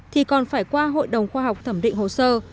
thì còn phải qua hội đồng khoa học thẩm định hồ sơ